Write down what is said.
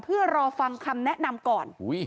เพื่อรอฟังคำแนะนำก่อน